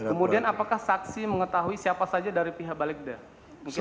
kemudian apakah saksi mengetahui siapa saja dari pihak balikda